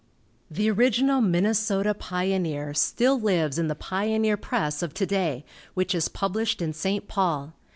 The original Minnesota Pioneer still lives in the Pioneer Press of to day, which is published in St. Paul.